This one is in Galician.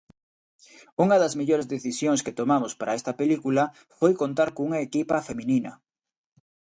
Unha das mellores decisións que tomamos para esta película foi contar cunha equipa feminina.